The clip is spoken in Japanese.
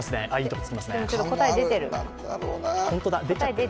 答え出てる。